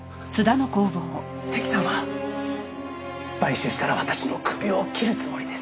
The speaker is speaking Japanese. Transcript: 関さんは買収したら私の首を切るつもりです。